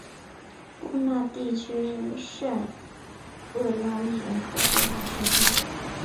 波讷地区圣厄拉利人口变化图示